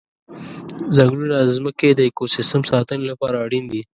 ځنګلونه د ځمکې د اکوسیستم ساتنې لپاره اړین دي.